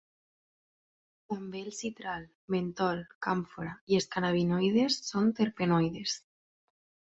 També el citral, mentol, càmfora i els cannabinoides són terpenoides.